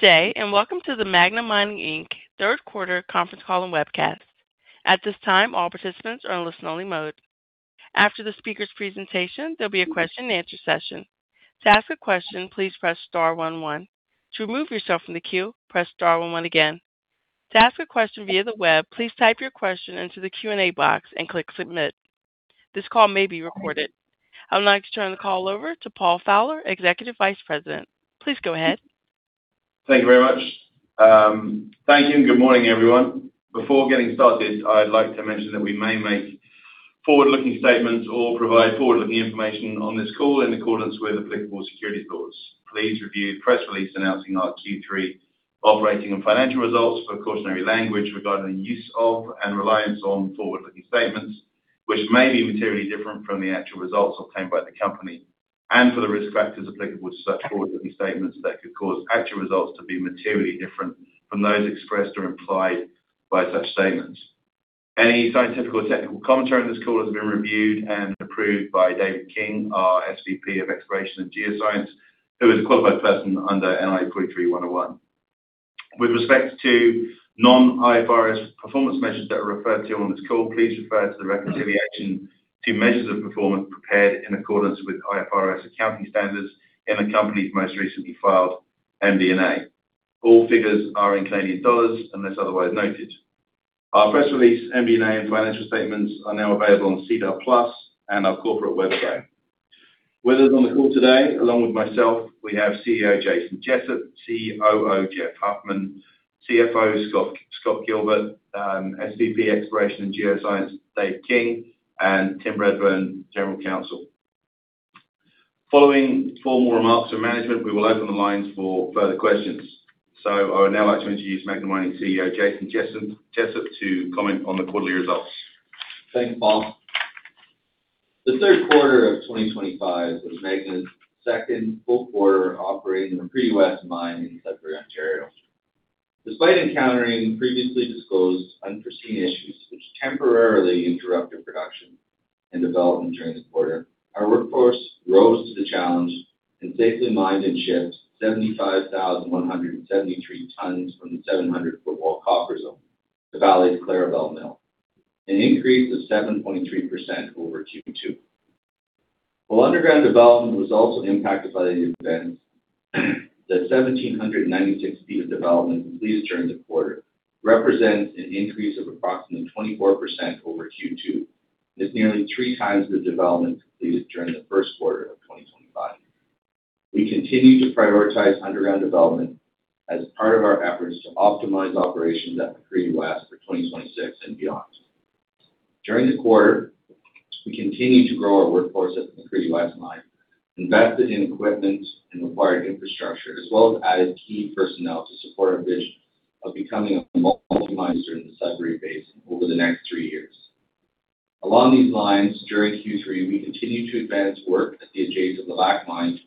Good day, and welcome to the Magna Mining Inc. Third Quarter Conference Call and Webcast. At this time, all participants are in listen-only mode. After the speaker's presentation, there will be a question-and-answer session. To ask a question, please press star one, one. To remove yourself from the queue, press star one, one again. To ask a question via the web, please type your question into the Q&A box and click submit. This call may be recorded. I would like to turn the call over to Paul Fowler, Executive Vice President. Please go ahead. Thank you very much. Thank you, and good morning, everyone. Before getting started, I'd like to mention that we may make forward-looking statements, or provide forward-looking information on this call in accordance with applicable security laws. Please review the press release announcing our Q3 operating and financial results for cautionary language, regarding the use of and reliance on forward-looking statements, which may be materially different from the actual results obtained by the company and for the risk factors applicable to such forward-looking statements, that could cause actual results to be materially different from those expressed or implied by such statements. Any scientific or technical commentary on this call has been reviewed and approved by David King, our SVP of Exploration and Geoscience, who is a qualified person under NI 43-101. With respect to non-IFRS performance measures that are referred to on this call, please refer to the reconciliation to measures of performance prepared in accordance with IFRS accounting standards in the company's most recently filed MD&A. All figures are in Canadian dollars, unless otherwise noted. Our press release, MD&A, and financial statements are now available on SEDAR+ and our corporate website. With us on the call today, along with myself, we have CEO, Jason Jessup, COO, Jeff Huffman, CFO, Scott Gilbert, SVP Exploration and Geoscience, David King, and Tim Bradburn, General Counsel. Following formal remarks from management, we will open the lines for further questions. I would now like to introduce Magna Mining CEO, Jason Jessup to comment on the quarterly results. Thanks, Paul. The third quarter of 2025 was Magna's second full quarter operating in a pre-U.S. mine in Sudbury, Ontario. Despite encountering previously disclosed unforeseen issues which temporarily interrupted production and development during the quarter, our workforce rose to the challenge and safely mined and shipped 75,173 t from the 700 Footwall Copper Zone to Vale's Clarabelle Mill, an increase of 7.3% over Q2. While underground development was also impacted by these events, the 1,796 ft of development completed during the quarter represents an increase of approximately 24% over Q2. It's nearly 3x the development completed during the first quarter of 2025. We continue to prioritize underground development, as part of our efforts to optimize operations at pre-U.S. for 2026 and beyond. During the quarter, we continue to grow our workforce at the Pre-U.S. mine, invested in equipment and required infrastructure, as well as added key personnel to support our vision of becoming a multi-miner during the Sudbury Basin over the next three years. Along these lines, during Q3, we continue to advance work at the adjacent Levack mine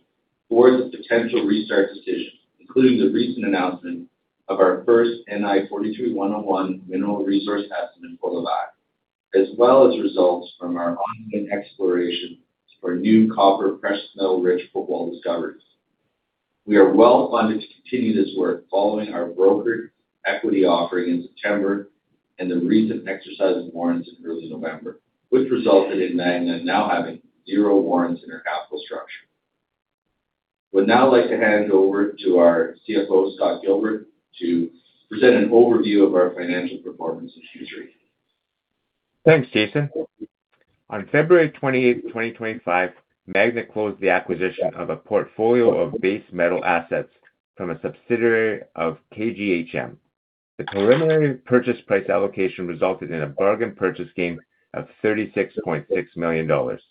towards a potential restart decision, including the recent announcement of our first NI 43-101 mineral resource estimate for Levack, as well as results from our ongoing exploration for a new copper-precious metal-rich footwall discoveries. We are well-funded to continue this work, following our brokered equity offering in September and the recent exercise of warrants in early November, which resulted in Magna now having zero warrants in our capital structure. I would now like to hand it over to our CFO, Scott Gilbert, to present an overview of our financial performance in Q3. Thanks, Jason. On February 28, 2025, Magna closed the acquisition of a portfolio of base metal assets from a subsidiary of KGHM. The preliminary purchase price allocation resulted in a bargain purchase gain of 36.6 million dollars.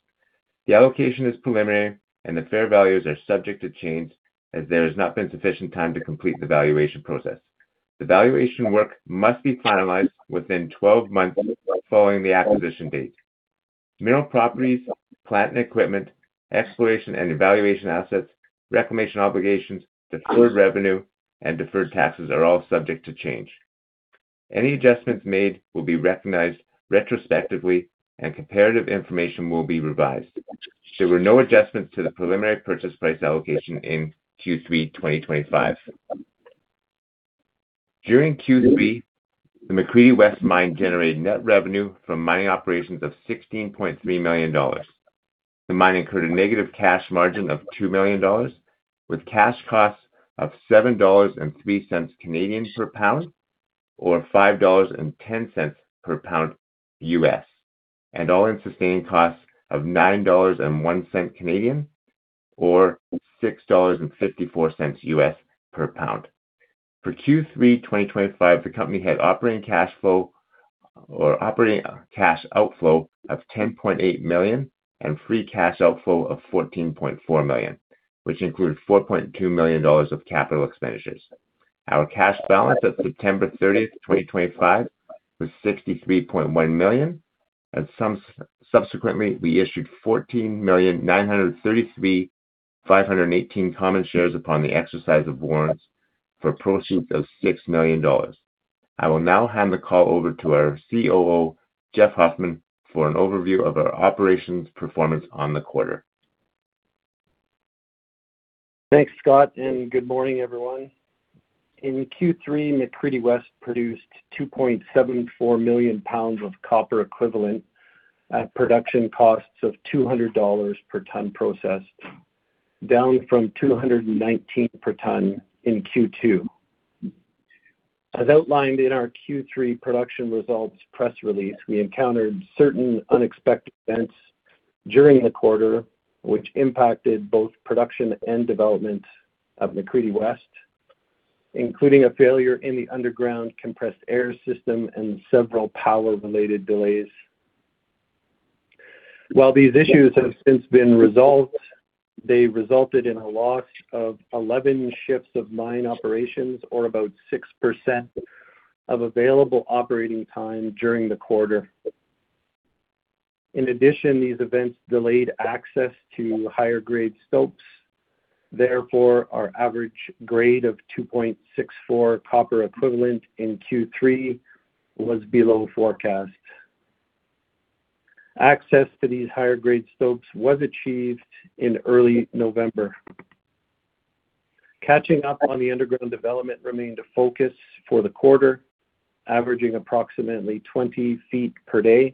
The allocation is preliminary and the fair values are subject to change, as there has not been sufficient time to complete the valuation process. The valuation work must be finalized within 12 months following the acquisition date. Mineral properties, plant and equipment, exploration and evaluation assets, reclamation obligations, deferred revenue, and deferred taxes are all subject to change. Any adjustments made will be recognized retrospectively, and comparative information will be revised. There were no adjustments to the preliminary purchase price allocation in Q3 2025. During Q3, the McCreedy West Mine generated net revenue from mining operations of 16.3 million dollars. The mine incurred a negative cash margin of $2 million, with cash costs of 7.03 Canadian dollars per pound or $5.10 per pound U.S., and all-in sustaining costs of 9.01 Canadian dollars or $6.54 U.S. per pound. For Q3 2025, the company had operating cash outflow of $10.8 million and free cash outflow of $14.4 million, which included $4.2 million of capital expenditures. Our cash balance at September 30th, 2025 was $63.1 million, and subsequently, we issued 14,933,518 common shares upon the exercise of warrants for proceeds of $6 million. I will now hand the call over to our COO, Jeff Huffman, for an overview of our operations performance on the quarter. Thanks, Scott. Good morning, everyone. In Q3, McCreedy West produced 2.74 million pounds of copper equivalent, at production costs of 200 dollars per ton processed, down from 219 per ton in Q2. As outlined in our Q3 production results press release, we encountered certain unexpected events during the quarter, which impacted both production and development of McCreedy West, including a failure in the underground compressed air system and several power-related delays. While these issues have since been resolved, they resulted in a loss of 11 shifts of mine operations or about 6% of available operating time during the quarter. In addition, these events delayed access to higher-grade stopes. Therefore, our average grade of 2.64 copper equivalent in Q3 was below forecast. Access to these higher-grade stopes was achieved in early November. Catching up on the underground development remained a focus for the quarter, averaging approximately 20 ft per day.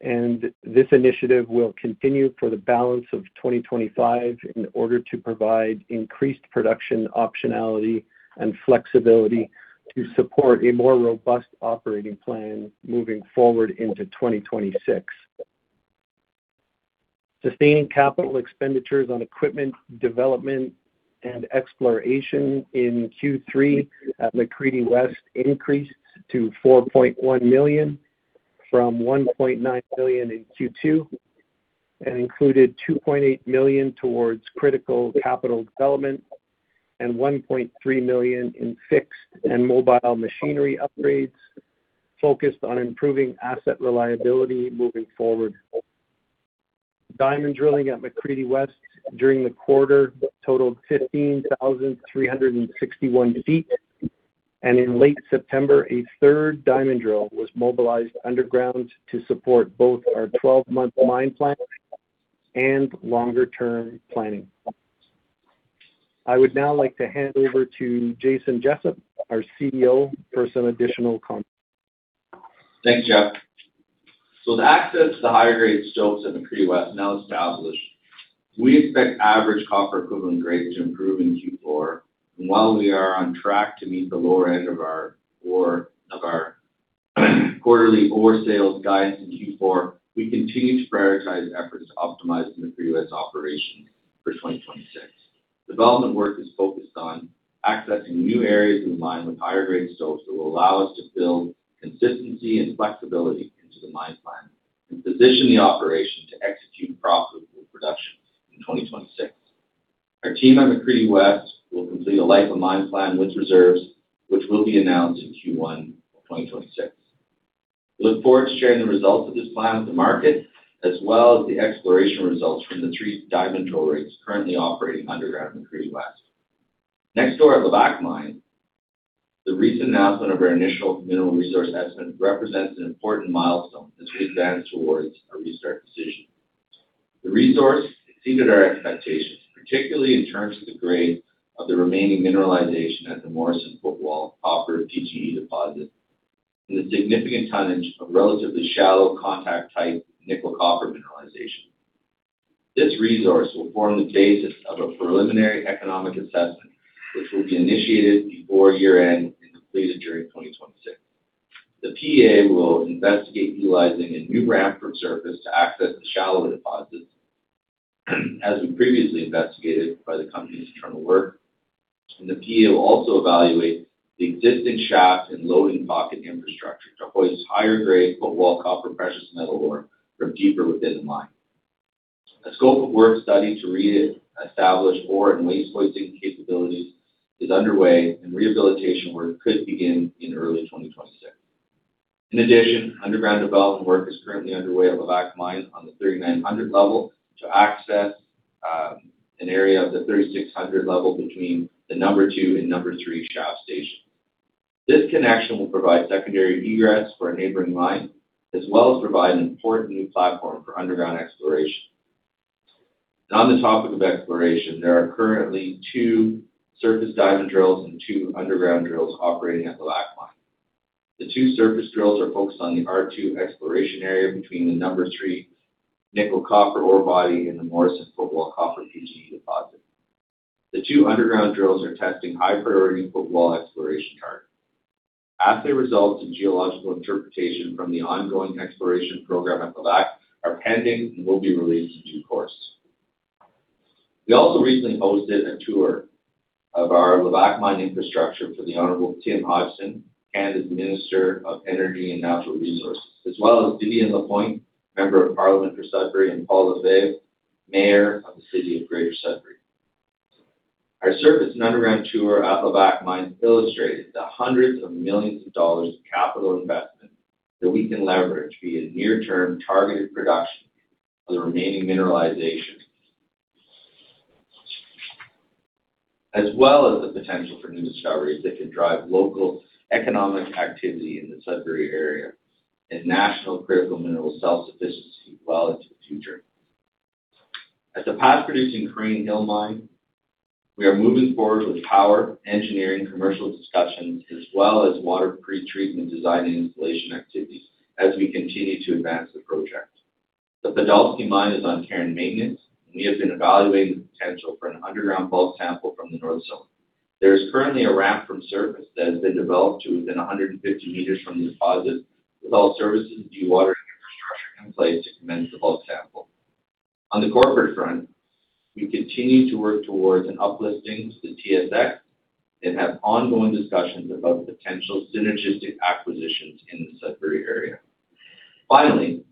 This initiative will continue for the balance of 2025, in order to provide increased production optionality and flexibility to support a more robust operating plan moving forward into 2026. Sustaining capital expenditures on equipment development and exploration in Q3 at McCreedy West, increased to 4.1 million from 1.9 million in Q2 and included 2.8 million towards critical capital development and 1.3 million in fixed and mobile machinery upgrades focused on improving asset reliability moving forward. Diamond drilling at McCreedy West during the quarter totaled 15,361 ft, and in late September, a third diamond drill was mobilized underground to support both our 12-month mine plan and longer-term planning. I would now like to hand over to Jason Jessup, our CEO, for some additional comments. Thanks, Jeff. The access to the higher-grade stopes at McCreedy West is now established. We expect average copper equivalent grades to improve in Q4. While we are on track to meet the lower end of our quarterly ore sales guidance in Q4, we continue to prioritize efforts to optimize the McCreedy West operation for 2026. Development work is focused on accessing new areas in the mine, with higher-grade stopes that will allow us to build consistency and flexibility into the mine plan, and position the operation to execute profitable production in 2026. Our team at McCreedy West will complete a life of mine plan with reserves, which will be announced in Q1 of 2026. We look forward to sharing the results of this plan with the market, as well as the exploration results from the three diamond drill rigs currently operating underground at McCreedy West. Next door, at Levack Mine, the recent announcement of our initial mineral resource estimate represents an important milestone, as we advance towards a restart decision. The resource exceeded our expectations, particularly in terms of the grade of the remaining mineralization at the Morrison Footwall Copper PGE deposit and the significant tonnage of relatively shallow contact-type nickel-copper mineralization. This resource will form the basis of a preliminary economic assessment, which will be initiated before year-end and completed during 2026. The PEA will investigate utilizing a new ramp from surface, to access the shallow deposits, as we previously investigated by the company's internal work. The PEA will also evaluate the existing shaft, and loading pocket infrastructure to hoist higher-grade footwall copper precious metal ore from deeper within the mine. A scope of work study to re-establish ore and waste hoisting capabilities is underway, and rehabilitation work could begin in early 2026. In addition, underground development work is currently underway at Levack mine on the 3,900 level, to access an area of the 3,600 level between the number two and number three shaft stations. This connection will provide secondary egress for a neighboring mine, as well as provide an important new platform for underground exploration. On the topic of exploration, there are currently two surface diamond drills and two underground drills operating at Levack mine. The two surface drills are focused on the R2 exploration area between the number three nickel-copper ore body, and the Morrison Footwall Copper PGE Deposit. The two underground drills are testing high-priority footwall exploration targets. Their results and geological interpretation from the ongoing exploration program at Levack are pending, and will be released in due course. We also recently hosted a tour of our Levack mine infrastructure for the Honorable Tim Hodgson, Canada's Minister of Energy and Natural Resources, as well as Viviane Lapointe, Member of Parliament for Sudbury, and Paul Lefebvre, Mayor of the City of Greater Sudbury. Our surface and underground tour at Levack mine illustrated the hundreds of millions of dollars of capital investment, that we can leverage via near-term targeted production of the remaining mineralization, as well as the potential for new discoveries that can drive local economic activity in the Sudbury area and national critical mineral self-sufficiency well into the future. At the past-producing Crean Hill mine, we are moving forward with power, engineering, commercial discussions, as well as water pre=treatment design and installation activities, as we continue to advance the project. The Podolsky mine is on care and maintenance, and we have been evaluating the potential for an underground bulk sample from the North Zone. There is currently a ramp from surface that has been developed to within 150 m from the deposit, with all services and dewatering infrastructure in place to commence the bulk sample. On the corporate front, we continue to work towards an uplifting to the TSX and have ongoing discussions about potential synergistic acquisitions in the Sudbury area. Finally,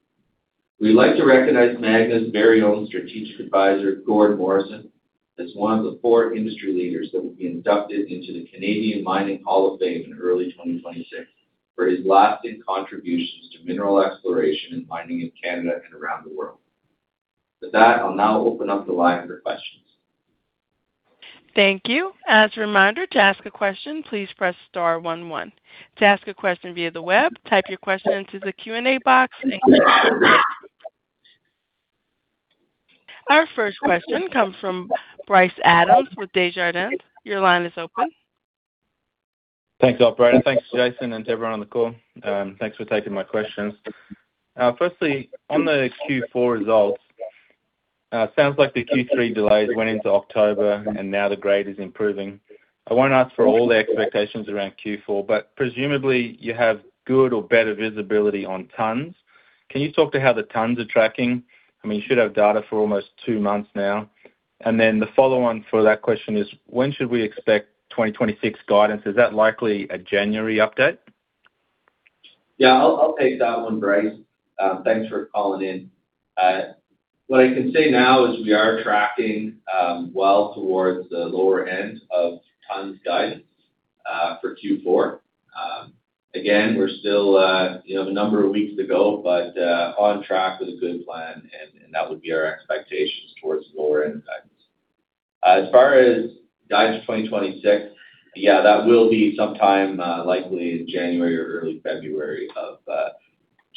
we would like to recognize Magna's very own strategic advisor, Gord Morrison, as one of the four industry leaders that will be inducted into the Canadian Mining Hall of Fame in early 2026, for his lasting contributions to mineral exploration and mining in Canada and around the world. With that, I'll now open up the line for questions. Thank you. As a reminder, to ask a question, please press star, one, one. To ask a question via the web, type your question into the Q&A box. Our first question comes from Bryce Adams with Desjardins. Your line is open. Thanks, operator. Thanks, Jason and to everyone on the call. Thanks for taking my questions. Firstly, on the Q4 results, it sounds like the Q3 delays went into October and now the grade is improving. I will not ask for all the expectations around Q4, but presumably, you have good or better visibility on tons. Can you talk to how the tons are tracking? I mean, you should have data for almost two months now. The follow-on for that question is, when should we expect 2026 guidance? Is that likely a January update? Yeah, I'll take that one, Bryce. Thanks for calling in. What I can say now is, we are tracking well towards the lower end of tons guidance for Q4. Again, we're still a number of weeks to go, but on track with a good plan and that would be our expectations towards the lower end of guidance. As far as guidance for 2026, yeah, that will be sometime likely in January or early February of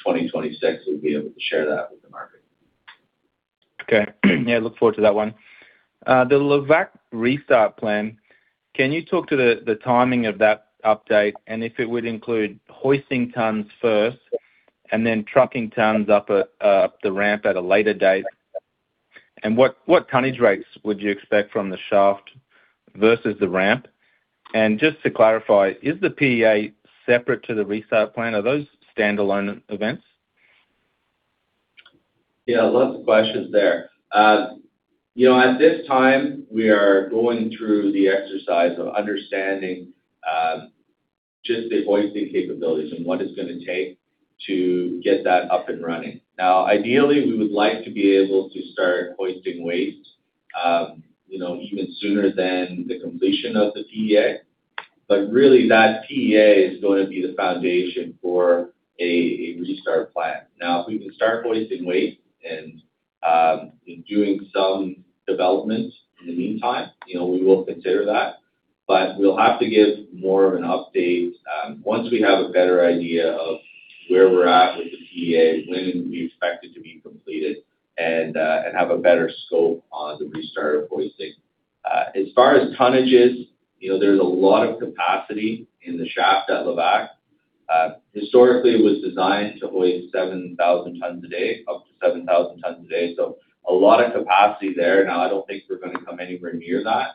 2026. We'll be able to share that with the market. Okay. Yeah, look forward to that one. The Levack restart plan, can you talk to the timing of that update, and if it would include hoisting tons first and then trucking tons up the ramp at a later date? What tonnage rates would you expect from the shaft versus the ramp? Just to clarify, is the PEA separate to the restart plan? Are those standalone events? Yeah, lots of questions there. At this time, we are going through the exercise of understanding just the hoisting capabilities, and what it's going to take to get that up and running. Now, ideally, we would like to be able to start hoisting waste even sooner than the completion of the PEA, but really, that PEA is going to be the foundation for a restart plan. Now, if we can start hoisting waste and doing some development in the meantime, we will consider that. We will have to give more of an update once we have a better idea of where we're at with the PEA, when we expect it to be completed and have a better scope on the restart of hoisting. As far as tonnages, there's a lot of capacity in the shaft at Levack. Historically, it was designed to hoist up to 7,000 t a day, so a lot of capacity there. Now, I do not think we are going to come anywhere near that.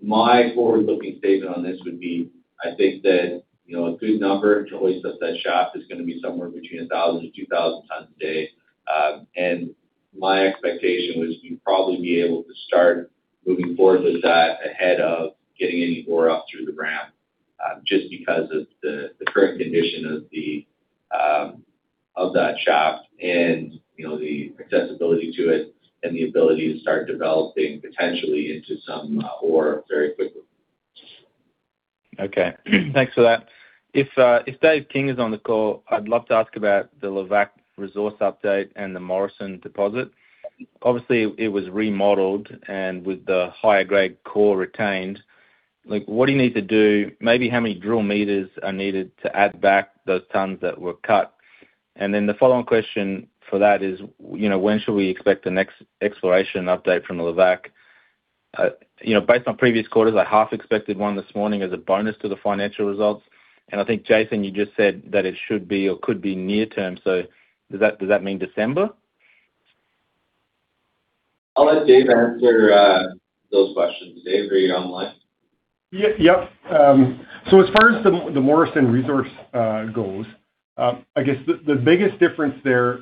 My forward-looking statement on this would be, I think that a good number to hoist up that shaft is going to be somewhere between 1,000 and 2,000 t a day. My expectation was, we would probably be able to start moving forward with that ahead of getting any ore up through the ramp, just because of the current condition of that shaft and the accessibility to it, and the ability to start developing potentially into some ore very quickly. Okay, thanks for that. If David King is on the call, I'd love to ask about the Levack resource update and the Morrison deposit. Obviously, it was remodeled, and with the higher-grade core retained, what do you need to do? Maybe how many drill meters are needed to add back those tons that were cut? The follow-on question for that is, when should we expect the next exploration update from Levack? Based on previous quarters, I half-expected one this morning as a bonus to the financial results. I think, Jason you just said that it should be or could be near-term. Does that mean December? I'll let David answer those questions. David, are you on the line? Yep. As far as the Morrison resource goes, I guess the biggest difference there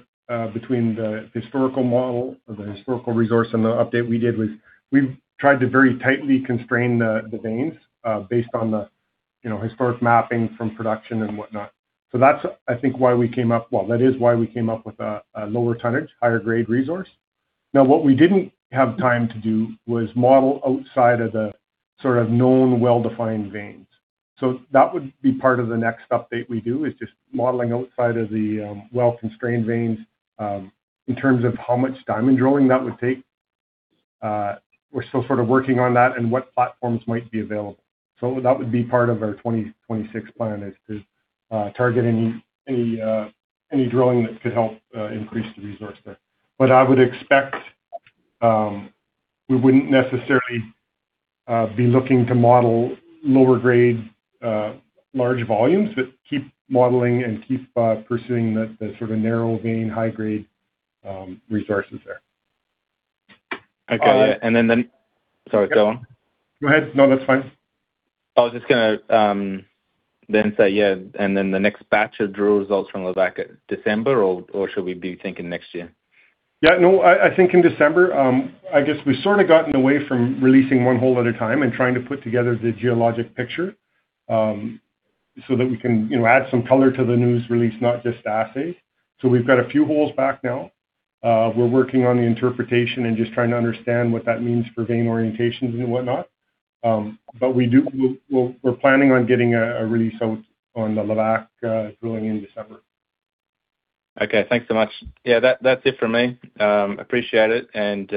between the historical model or the historical resource and the update we did was, we tried to very tightly constrain the veins based on the historic mapping from production and whatnot. I think that is why we came up with a lower tonnage, higher-grade resource. What we did not have time to do was model outside of the sort of known well-defined veins. That would be part of the next update we do, is just modeling outside of the well-constrained veins. In terms of how much diamond drilling that would take, we are still sort of working on that and what platforms might be available. That would be part of our 2026 plan, is to target any drilling that could help increase the resource there. I would expect we wouldn't necessarily be looking to model lower-grade large volumes, but keep modeling and keep pursuing the sort of narrow-vein, high-grade resources there. Okay. Sorry, go on. Go ahead. No, that's fine. I was just going to then say, yeah, and then the next batch of drill results from Levack at December or should we be thinking next year? Yeah. No, I think in December. I guess we've sort of gotten away from releasing one hole at a time and trying to put together the geologic picture, so that we can add some color to the news release, not just assay. We have a few holes back now. We're working on the interpretation, and just trying to understand what that means for vein orientations and whatnot. We are planning on getting a release out on the Levack drilling in December. Okay, thanks so much. Yeah, that's it from me. Appreciate it, and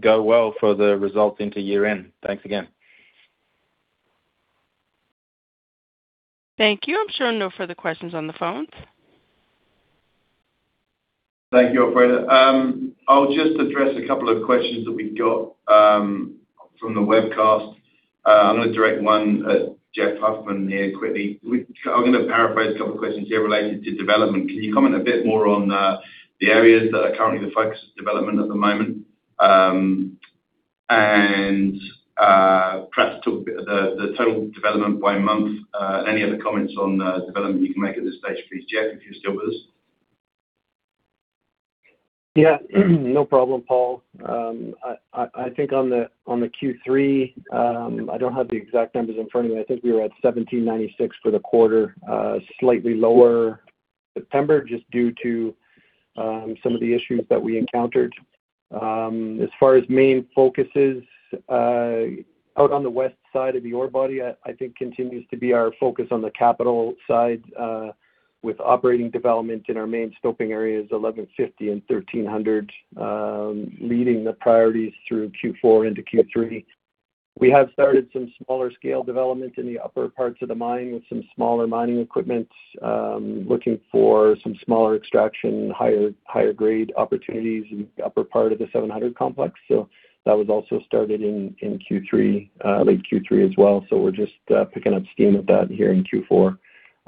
go well for the results into year-end. Thanks again. Thank you. I'm showing no further questions on the phones. Thank you, operator. I'll just address a couple of questions that we got from the webcast. I'm going to direct one at Jeff Huffman here quickly. I'm going to paraphrase a couple of questions here related to development. Can you comment a bit more on the areas that are currently the focus of development at the moment? Perhaps talk a bit on the total development by month, and any other comments on the development you can make at this stage, please, Jeff, if you're still with us. Yeah. No problem, Paul. I think on the Q3, I don't have the exact numbers in front of me. I think we were at 1,796 for the quarter, slightly lower September just due to some of the issues that we encountered. As far as main focuses out on the west side of the ore body, I think continues to be our focus on the capital side with operating development in our main scoping areas, 1,150 and 1,300, leading the priorities through Q4 into Q3. We have started some smaller-scale development in the upper parts of the mine with some smaller mining equipment, looking for some smaller extraction, higher-grade opportunities in the upper part of the 700 complex. That was also started in late Q3 as well. We are just picking up steam with that here in Q4,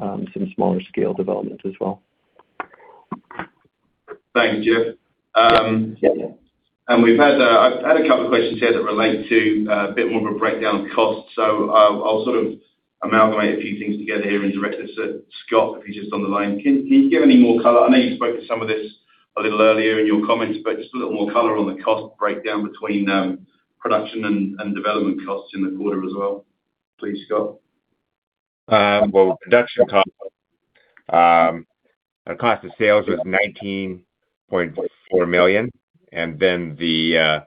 some smaller-scale development as well. Thank you, Jeff. We have had a couple of questions here that relate to a bit more of a breakdown of costs. I will sort of amalgamate a few things together here, and direct this to Scott if he is on the line. Can you give any more color? I know you spoke to some of this a little earlier in your comments, but just a little more color on the cost breakdown between production and development costs in the quarter as well. Please, Scott. Production costs, our cost of sales was 19.4 million. The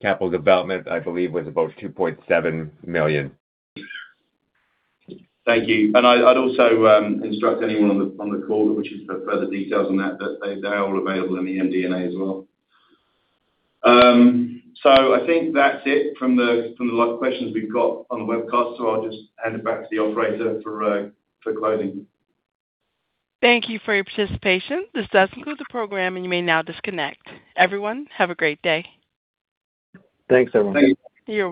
capital development, I believe was about 2.7 million. Thank you. I'd also instruct anyone on the call, reach us for further details on that, they're all available in the MD&A as well. I think that's it from the last questions we've got on the webcast. I'll just hand it back to the operator for closing. Thank you for your participation. This does conclude the program, and you may now disconnect. Everyone, have a great day. Thanks, everyone. Thank you. You're welcome.